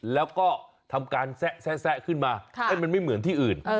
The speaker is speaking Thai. แล้วก็ทำการแซะขึ้นมามันไม่เหมือนที่อื่น